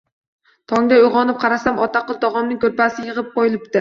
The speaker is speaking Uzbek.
Tongda uyg‘onib qarasam, Otaqul tog‘amning ko‘rpasi yig‘ib qo‘yilibdi